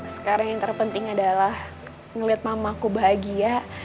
sekarang yang terpenting adalah ngeliat mama aku bahagia